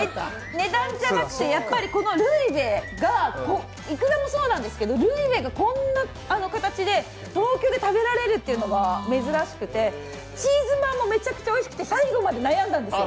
値段じゃなくて、やっぱりいくらもそうですけどルイベがこんな形で東京で食べられるというのが珍しくて、チーズまんもめちゃくちゃおいしくて最後まで悩んだんですよ。